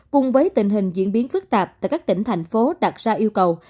cùng với tình hình diễn biến phức tạp tại các tỉnh thành phố đặt ra yêu cầu